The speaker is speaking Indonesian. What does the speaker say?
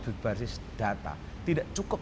berbasis data tidak cukup